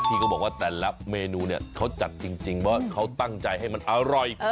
เขาบอกว่าแต่ละเมนูเนี่ยเขาจัดจริงเพราะเขาตั้งใจให้มันอร่อย